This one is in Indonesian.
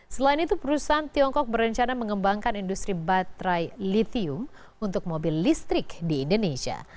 selain itu perusahaan tiongkok berencana mengembangkan industri baterai litium untuk mobil listrik di indonesia